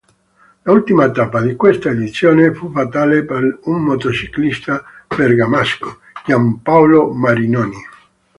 L'ultima tappa di questa edizione fu fatale per un motociclista bergamasco, Giampaolo Marinoni.